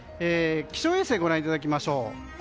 気象衛星、ご覧いただきましょう。